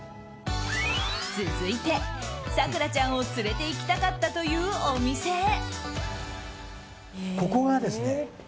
続いて、咲楽ちゃんを連れていきたかったというお店へ。